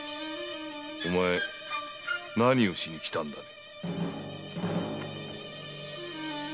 お前何をしに来たんだね？